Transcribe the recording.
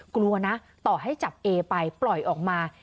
กลัวนะต่อให้จับเอไปปล่อยออกมา